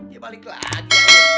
ya balik lagi